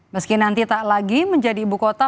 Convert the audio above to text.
meski nanti tak lagi menjadi ibu kota